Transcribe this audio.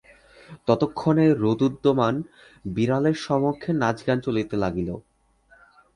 ততক্ষণে রোরুদ্যমান বিড়ালের সমক্ষে নাচগান চলিতে লাগিল।